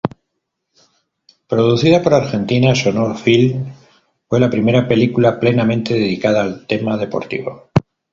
Producida por Argentina Sono Film, fue la primera película plenamente dedicada al tema deportivo.